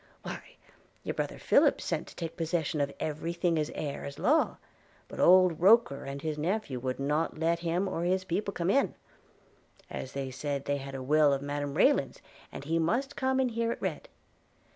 'Why, your brother Philip sent to take possession of every thing as heir at law; but old Roker and his nephew would not let him or his people come in; as they said they had a will of Madam Rayland's, and he must come and hear it read.